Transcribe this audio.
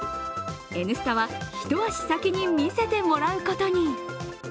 「Ｎスタ」は一足先に見せてもらうことに。